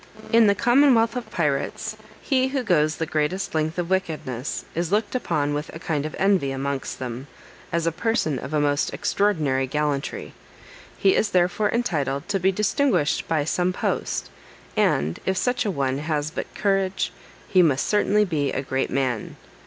In the commonwealth of pirates, he who goes the greatest length of wickedness, is looked upon with a kind of envy amongst them, as a person of a most extraordinary gallantry; he is therefore entitled to be distinguished by some post, and, if such a one has but courage, he must certainly be a great man.